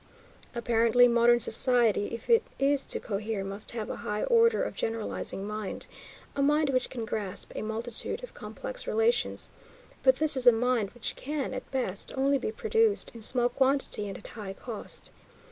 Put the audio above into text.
Apparently modern society, if it is to cohere, must have a high order of generalizing mind, a mind which can grasp a multitude of complex relations, but this is a mind which can, at best, only be produced in small quantity and at high cost.